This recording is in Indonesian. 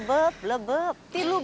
terima kasih mami